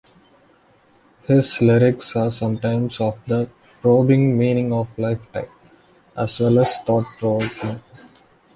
His lyrics are sometimes of the "probing meaning-of-life" type, as well as "thought-provoking".